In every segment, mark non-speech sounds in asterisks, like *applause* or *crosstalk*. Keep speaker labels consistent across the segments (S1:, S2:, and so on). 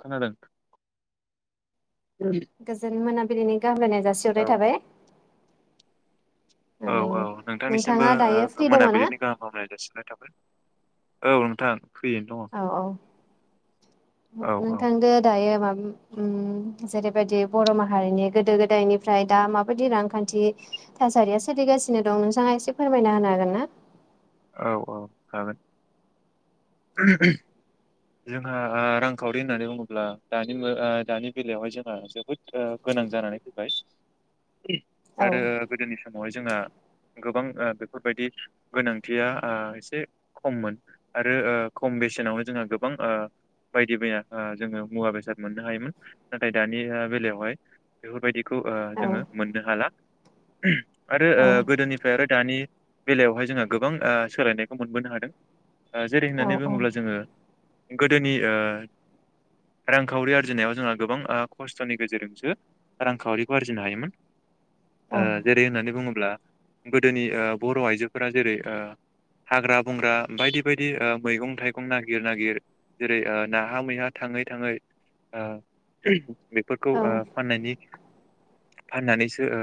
S1: खोनादों।
S2: गोजोन मोना बिनिनि गाहाम हामलायनाय
S1: औ
S2: जासिहरनाय थाबाय।
S1: औ औ। नोंथांनिसिमबो
S2: नोंथाङा दायो
S1: ओ
S2: फ्रि दङ ना
S1: मोनाबिलिनि गाहाम हामलायनाय जासिनाय थाबाय। औ नोंथां। फ्रियैनो दङ।
S2: औ औ
S1: औ औ
S2: नोंथांदो दायो मा उम जेरैबायदि बर' माहारिनि गोदो गोदायनिफ्राय दा माब बादि रांखान्थि थासारिया सोलिगासिनो दं नोंथाङा एसे फोरमायना होनो हागोन ना?
S1: औ औ हागोन जोंहा रांखावरि होननानै बुङोब्ला दानि ओ दानि बेलायावहाय जोंहा जोबोद गोनां जानानै फैबाय। आरो
S2: होनो
S1: गोदोनि समावहाय जोंहा गोबां ओ बेफोरबायदि गोनां थिया एसे खममोन आरो ओ खम बेसेनावनो जोंहा गोबां ओ बायदि मैया जोङो मुवा बेसाद मोननो हायोमोन नाथाय दानि बेलायावहाय बेफोरबायदिखौ ओ जोङो मोननो हाला आरो
S2: हागोन ना औ
S1: गोदोनिफ्राय आरो दानि बेलायावहाय जोङो गोबां ओ सोलायनायखौ मोनबोनो हादों
S2: औ
S1: जेरै होननानै बुङोब्ला जोङो गोदोनि ओ रांखावरि आरजिनायाव जोंहा गोबां खस्थ'नि गेजेरजोंसो रांखावरिखौ आरजिनो हायोमोन
S2: औ औ
S1: ओ जेरै होननानै बुङोब्ला गोदोनि बर' आइजोफोरा जेरै ओ हाग्रा बंग्रा बायदि बायदि मैगं थाइगं नागिर नागिर जेरै ओ नाहा मैहा थाङै थाङै ओ बेफोरखौ
S2: औ
S1: ओ फाननायनि फाननानैसो ओ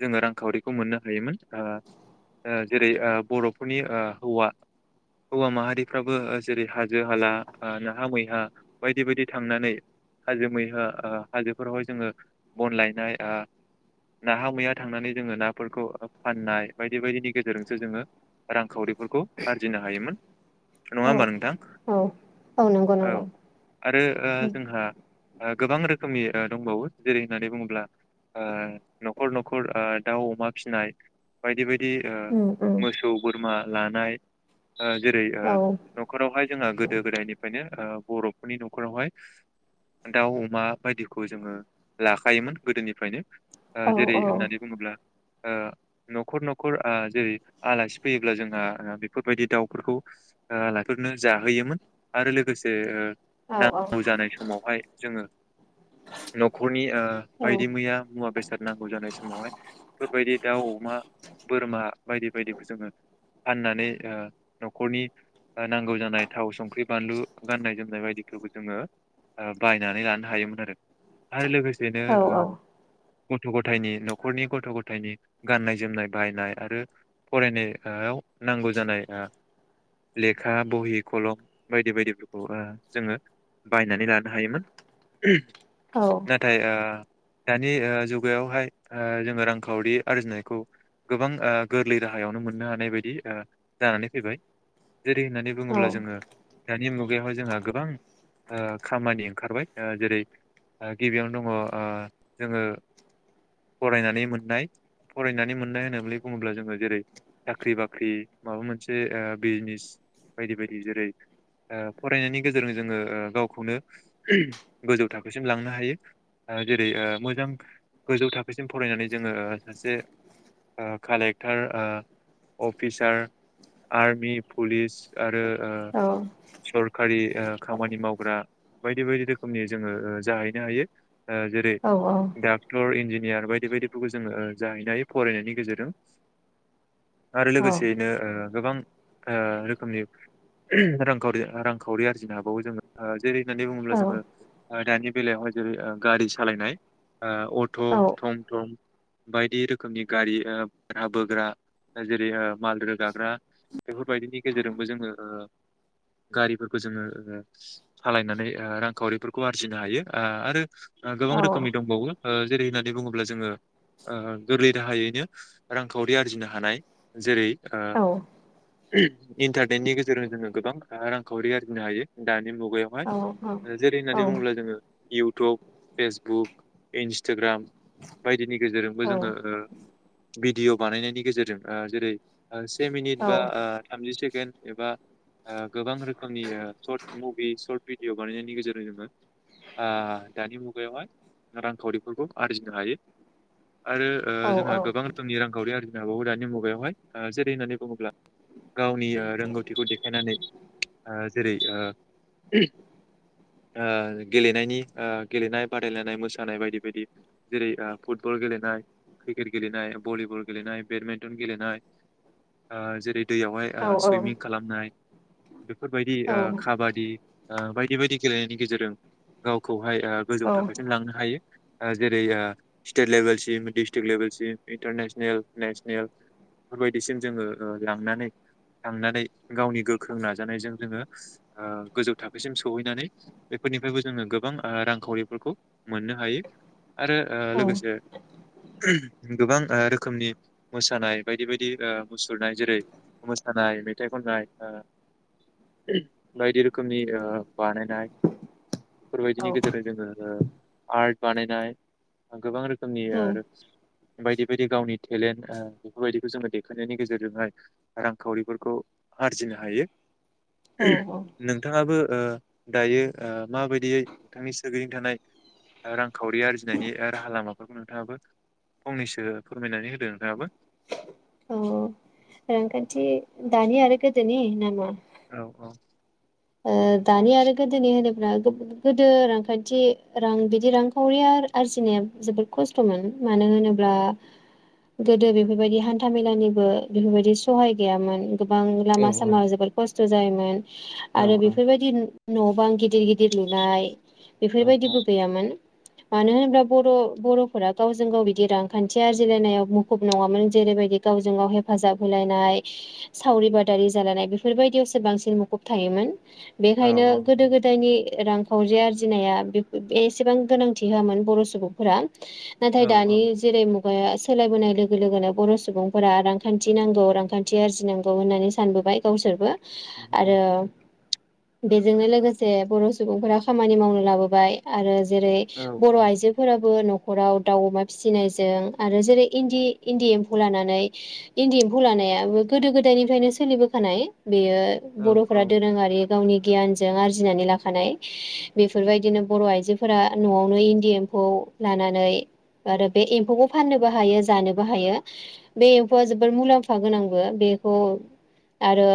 S1: जोङो रांखावरिखौ मोननो हायोमोन ओ जेरै ओ बर'फोरनि ओ हौवा, हौवा माहारिफ्राबो जेरै हाजो हाला नाहा मैहा बायदि बायदि थांनानै हाजो मैहा ओ हाजोफोरावहाय जोङो बन लायनाय नाहा मैया थांनानै जोङो नाफोरखौ फाननाय बायदि बायदिनि गेजेरजोंसो जोङो रांखावरिफोरखौ आरजिनो हायोमोन। नङा
S2: औ
S1: होमबा नोंथां
S2: औ नंगौ
S1: औ
S2: नंगौ
S1: आरो ओ
S2: उम
S1: जोंहा ओ गोबां रोखोमनि ओ दंबावो जेरै होननानै बुङोब्ला ओ न'खर न'खर ओ दाउ अमा फिनाय बायदि बाय दि ओ
S2: उम
S1: मोसौ बोरमा लानाय ओ जेरै ओ
S2: औ
S1: न'खरावहाय जोंहा गोदो गोदायनिफ्रायनो ओ बर'फोरनि न'खरावहाय दाउ अमा बायदिखौ जोङो लाखायोमोन गोदोनिफ्रायनो। ओ
S2: औ
S1: जेरै
S2: औ
S1: होननानै बुङोब्ला ओ न'खर न'खर ओ जेरै आलासि फैयोब्ला जोंहा बेफोरबायदि दाउफोरखौ ओ लाइफोरनो जाहोयोमोन आरो लोगोसे ओ
S2: औ
S1: नांगौ जानाय समावहाय जोङो न'खरनि ओ
S2: औ
S1: बायदि मैया मुवा बेसाद नांगौ जानाय समावहाय बेफोरबायदि दाउ अमा बोरमा बायदि बायदिखौ जोङो फाननानै ओ न'खरनि ओ नांगौ जानाय थाव संख्रि बानलु गाननाय जोमनाय बायदिखौबो जोङो ओ बायनानै लानो हायोमोन आरो, आरो लोगोस सेनो ओ
S2: औ
S1: गथ' गथायनि न'खरनि गथ' गथायनि गाननाय जोमनाय बायनाय आरो फरायनाय याव नांगौ जानाय ओ लेखा बहि खलम बायदि बायदिफोरखौ ओ जोङो बायनानै लानो हायोमोन। नाथाय ओ दानि ओ जुगायावहाय ओ जोङो रांखावरि आरजिनायखौ गोबां ओ गोरलै राहायावनो मोन नो हानाय बायदि ओ जानानै फैबाय। जेरै होननानै बुङोब्ला जोङो दानि मुगायाव जोंहा गोबां ओ खामानि ओंखारबाय ओ जेरै गिबियावनो दङ ओ जोङो फरायनानै मोननाय फरायनानै मोननाय होनोब्लि बुङोब्ला जोङो जेरै साख्रि बाख्रि माबा मोनसे ओ बिजनेस बायदि बायदि जेरै ओ फरायनायनि गेजेरजों जोङो ओ गावखौनो गोजौ थाखोसिम लांनो हायो ओ जेरै ओ मोजां गोजौ थाखोसिम फरायनानै जोङो ओ सासे कालेक्टार ओ अफिसार, आर्मि, पुलिस आरो ओ सरखारि ओ खामानि मावग्रा बायदि बायदि रोखोमनि जोङो ओ जाहैनो हायो। ओ जेरै
S2: औ
S1: दाक्टर इन्जिन नियार बायदि बायदिफोरखौ जोङो ओ जाहैनो हायो फरायनायनि गेजेरजों। आरो लोगोसेयैनो ओ गोबां रोखोमनि ओ उम रांखावरि रांखावरि आरजिनो हाबावो जोङो जेरै होननानै
S2: औ
S1: बुङोब्ला जोङो ओ दानि बेलायावहाय जेरै ओ गारि सालायनाय ओ
S2: औ
S1: अथ' थम थम बायदि रोखोमनि गारि भारा ओबोग्रा हाजिराया माल रोगाग्रा बेफोरबायदिनि गेजेरजोंबो जोङो ओ गारिफोरखौ जोङो सालायनानै ओ रांखावरिफोरखौ आरजिनो हायो ओ आरो ओ गोबां रोखोमनि दंबावो ओ जेरै होननानै बुङोब्ला जोङो ओ गोरलै राहायैनो रांखावरि आरजिना हानाय जेरै ओ उम इन्टारनेटनि गेजेरजों जोङो गोबां ओ रांखावरि आरजिनो हायो दानि मुगायावहाय जेरै होननानै बुङोब्ला जोङो इउ इउटुब फेसबुक इन्सटाग्राम बायदि। बायदिनि गेजेरजोंबो जोङो। भिडिअ बानायनायनि। गेजेरजों ओ जेरै। से मिनिट ओ बा थामजि। *inaudible* एबा गोबां रोखोमनि सर्ट मुभि सर्ट भिडिय बानायनायनि गेजेरजों जोङो दानि मुगायावहाय रांखावरिफोरखौ आरजिनो हायो। आरो जोंहा गोबां रोखोमनि रां। ग *inaudible* *inaudible* बावो दानि मुगायावहाय जेरै होननानै बुङोब्ला गावनि रोंगौथिखौ देखायनानै जेरै गेलेनायनि गेलेनाय बादायलायनाय मोसानाय बायदि बायदि जेरै फुटबल गेलेनाय क्रिकेट गेलेनाय भलिबल गेलेनाय। बेडमिन्टन गेलेनाय जेरै। दैयावहाय सुइमिं खालामनाय। बेफोरबायदि ओ खाबादि। बायदि बायदि गेलेनायनि गेजेरजों गावखौ। बेवहाय गोजौ थाखोसिम लांनो हायो। जेरै ओ स्टेट लेभेलसिम डिस्ट्रिक लेभेलसिम इन्टारनेसनेल। नेसनेल बेबायदिसिम जोङो लांनानै थांनानै गावनि गोख्रों नाजानायजों जोङो गोजौ थाखोसिम सहैनानै बेफोरनिफ्रायबो जोङो गोबां रांखावरिफोरखौ मोननो हायो। आरो ओ लोगोसे। गोबां रोखोमनि। मोसानाय बायदि बायदि मुसुरनाय जेरै मोसानाय मेथाइ खननाय बायदि रोखोमनि ओ बानायनाय। बेफोरबायदिनि गेजेरजों जोंङो ओ। आर्ट बानायनाय गोबां रोखोम। रोखोमनि आरो। बायदि बायदि गावनि। टेलेन्ट बेफोरबायदिखौ जोङो देखायनायनि गेजेरजोंहाय रांखावरिफोरखौ आरजिनो हायो।
S2: औ
S1: नोंथाङाबो। दायो माबायदियै नोंथांनि सोरगिदिं थानाय रांखावरि आरजिनायनि राहा लामाफोरखौ नोंथाङाबो फंनैसो फोरमायनानै होदो। दों नोंथाङाबो।
S2: अ रांखान्थि दानि आरो गोदोनि नामा।
S1: औ औ।
S2: ओ दानि आरो गोदोनिहोनो। गोदो रांखान्थि रां बिदि रांखावरिया आरजिनाया जोबोद खस्थमोन मानो होनोब्ला गोदो बेफोरबायदि हान्थामेलानिबो बेफोरबायदि सहाय गैयामोन। गोबां
S1: औ
S2: लामा
S1: औ
S2: सामा जोबोर खस्थ। खस्थ जायोमोन।
S1: औ
S2: आरो बेफोरबायदि। न बां गिदिर गिदिर लुनाय।
S1: औ औ
S2: बेफोरबायदिबो गैयामोन। मानो होनोब्ला बर' बर'फोरा गावजों गाव बिदि रांखान्थि आरजिलायनायाव मुखुब नङामोन जेरैबायदि गावजों गाव हेफाजाब होलायनाय सावरि बादारि जालायनाय बेफोरबायदियावसो बांसिन मुखुब थ थायोमोन
S1: औ
S2: बेखायनो गोदो गोदायनि रांखावरि आरजिनाया बे बे एसेबां गोनांथि होआमोन बर' सुबुंफोरा नाथाय
S1: औ औ
S2: दानि जेरै मु मुगाया सोलायबोनाय लोगो लोगोनो बर' सुबुंफोरा रांखान्थि नांगौ रांखान्थि आरजिनांगौ होननानै सानबोबाय गावसोरबो
S1: औ औ
S2: आरो बेजोंनो लोगोसे बर' सुबुंफोरा खामानि मावनो लाबोबाय आरो जेरै
S1: औ
S2: बर' आइजोफोराबो नख नखराव दाउ अमा फिसिनायजों आरो जेरै इन्दि इन्दि एम्फौ लानानै इन्दि एम्फौ लानायाबो गोदो गोदायनिफ्रायनो सोलिबोखानाय बेयो
S1: औ
S2: बर' फोरा दोरोंङारि गावनि गियानजों आरजिनानै लाखानाय बेफोरबायदिनो बर' आइजोफोरा नआवनो इन्दि एम्फौ लानानै आरो बे एम्फौखौ फाननोबो हायो जानोबो हायो बे एम्फौआ जोबोर मुलाम्फा गोनांबो बेखौ आरो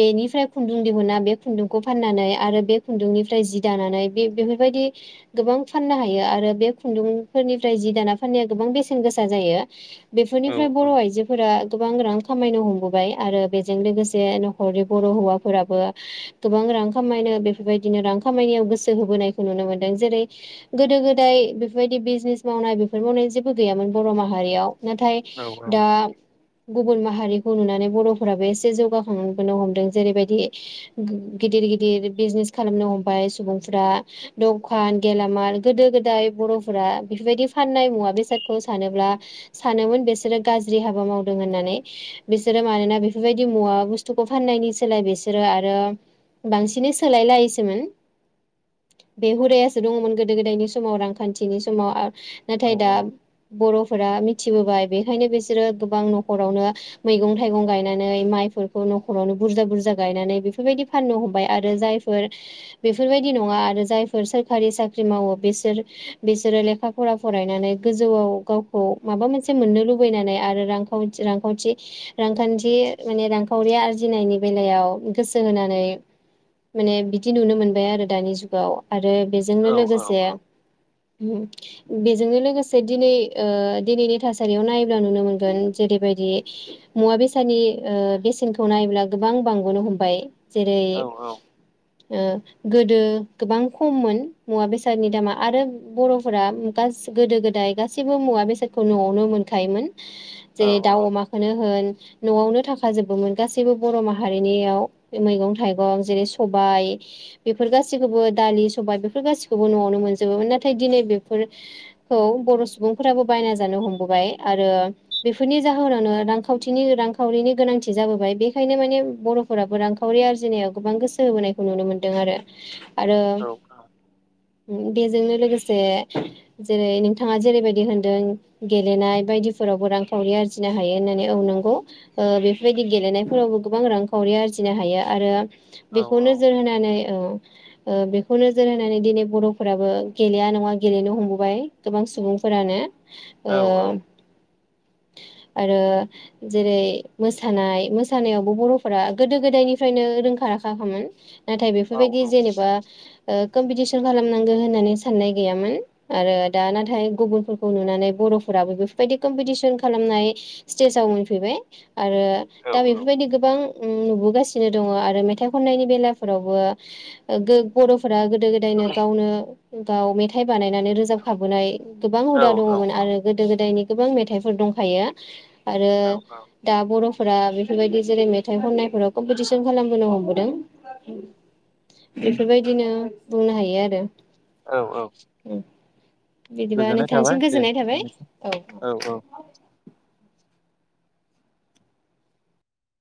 S2: बेनिफ्राय खुन्दुं दिहुना बे खुन्दुंखौ फाननानै आरो बे खुन्दुंनिफ्राय जि दानानै बे बेफोरबायदि गोबां फाननो हायो आरो बे खुन्दुंफोरनिफ्राय जि दाना फाननाया गोबां बेसेन गोसा जायो बेफोरनिफ्राय बर आइजोफोरा गोबां रां खामायनो हमबोबाय आरो बेजों लोगोसे नखरनि बर' हौवा फोराबो गोबां रां खामायनो बेफोरबायदिनो रां खामायनायाव गोसो होबोनायखौ नुनो मोनदों जेरै गोदो गोदाय बेफोरबायदि बिजनेस मावनाय बेफोर मावनाय जेबो गैयामोन बर' माहारियाव नाथाय
S1: औ
S2: दा गुबुन माहारिखौ नुनानै बर'फोराबो एसे जौगाखांबोनो हमदों जेरैबायदि गिदिर गिदिर बिजनेस खालामनो हमबाय सुबुंफोरा दखान गेलामाल गोदो गोदाय बर'फोरा बेफोरबायदि फाननाय मुवा बेसादखौ सानोब्ला सानोमोन बिसोरो गाज्रि हाबा मावदों होननानै बिसोरो मानोना बेफोरबायदि मुवा बुस्थुखौ फाननायनि सोलाय बिसोर बिसोरो आरो बांसिनै सोलाय लायोसोमोन बे हुदायासो दङमोन गोदो गोदायनि समाव रांखान्थिनि समाव
S1: औ
S2: नाथाय दा बर'फोरा मिथिबोबाय बेखायनो बिसोरो गोबां नखरावनो मैगं थाइगं गायनानै माइफोरखौ न'खरावनो बुरजा-बुरजा गायनानै बेफोरबायदि फाननो हमबाय आरो जायफोर बेफोरबायदि नङा आरो जायफोर सोरखारि साख्रि मावो बिसोर बिसोरो लेखा फरा फरायनानै गोजौआव गावखौ माबा मोनसे मोननो लुबैनानै आरो रांखाव रांखावथि। रांखान्थि माने रांखावरिया आर नायनि बेलायाव गोसो होनानै माने बिदि नुनो मोनबाय आरो दानि जुगाव। आरो बेजोंनो
S1: औ
S2: लोगोसे बेजोंनो लोगोसे दिनै ओ दिनैनि थासारियाव नायोब्ला नुनो मोनगोन जेरैबायदि मुवा बेसादनि ओ बेसेनखौ नायोब्ला गोबां बां बोनो हमबाय। जेरै ओ गोदो गोबां खममोन मुवा बेसादनि दामा आरो बर'फोरा गास गोदो गोदाय गासैबो मुवा बेसादखौ न'आवनो मोनखायोमोन। जेरै दाउ अमाखौनो होन। नआवनो थाखाजोबोमोन गासैबो बर' माहा हारिनियाव मैगं थाइगं जेरै सबाय बेफोर गासिखौबो दालि सबाय बेफोर गासिखौबो नआवनो मोनजोबोमोन नाथाय दिनै बेफोरखौ बर' सुबुंफोराबो बायना जानो हमबोबाय आरो बेफोरनि जाहोनावनो रांखान्थिनि रांखावथिनि रांखावरिनि गोनांथि जाबोबाय बेखायनो माने बर'फोराबो रांखावरि आरजिनायाव गोबां गोसो होबोनायखौ नुनो मोनदों आरो। आरो *inaudible* खावरि आरजिनो हायो आरो बेखौ नोजोर होनानै औ। ओ बेखौ नोजोर होनानै दिनै बर'फोराबो गेलेया नङा गेलेनो हमबोबाय गोबां सुबुंफोरानो। ओ आरो जेरै मोसानाय मोसानायावबो बर' फोरा गोदो गोदायनिफ्रायनो रोंखा राखाखामोन। नाथाय बेफोरबायदि जेनेबा ओ। कम्पिटिसन खालामनांगौ होननानै साननाय गैयामोन आरो दा नाथाय गुबुनफोरखौ नुनानै बर'फोराबो बेफोरबायदि कमपिटिसन खालामनाय स्टेजाव मोनफैबाय। आरो दा बेफोरबायदि गोबां उम नुबोगासिनो दङ आरो मेथाइ खननायनि बेलाफोरावबो गो बर' फोरा गोदो गोदायनो गावनो। गाव मेथाइ बानायनानै रोजाब खाबोनाय। गोबां हुदा दङमोन आरो गोदो गोदायनि गोबां मेथाइफोर दंखायो। आरो
S1: औ
S2: दा बर' फोरा बेफोरबायदि जेरै मेथ- मेथाइ खननायफोराव कमपिटिसन खालामबोनो हमबोदों बेफोरबायदिनो बुंनो हायो आरो।
S1: औ औ
S2: बिदिबा
S1: गोजोननाय थाबाय
S2: नोंथांनिसिम
S1: दे
S2: गोजोननाय थाबाय
S1: नोंथांनिसिम
S2: औ।